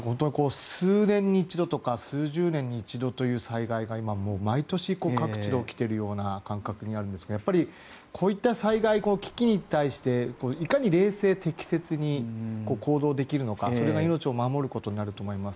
数年に一度とか数十年に一度という災害が今、毎年各地で起きているような感覚になるんですがこういった災害の危機に対していかに冷静、適切に行動できるのか、それが命を守ることになると思います。